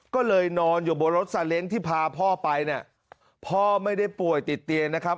ก็เลยนอนอยู่บนรถซาเล้งที่พาพ่อไปเนี่ยพ่อไม่ได้ป่วยติดเตียงนะครับ